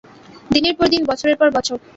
দিনের পর দিন, বছরের পর বছর।